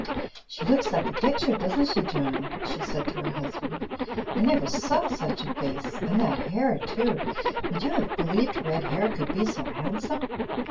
"She looks like a picture, doesn't she, John?" she said to her husband. "I never saw such a face and that hair too. Would you have believed red hair could be so handsome?